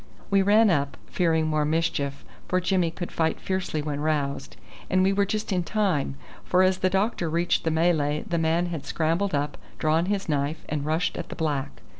We ran up, fearing more mischief, for Jimmy could fight fiercely when roused; and we were just in time, for as the doctor reached the Malay the man had scrambled up, drawn his knife, and rushed at the black.